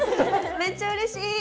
めっちゃうれしい！